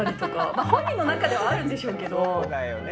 まあ本人の中ではあるんでしょうけど。